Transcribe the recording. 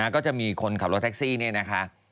ก็จะมีคนขับรถแท็กซี่นี่นะคะ